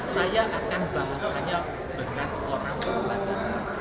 saya akan bahasanya dengan orang orang